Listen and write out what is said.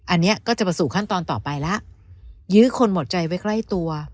อันนี้ก็จะมาสู่ขั้นตอนต่อไปแล้วยื้อคนหมดใจไว้ใกล้ตัว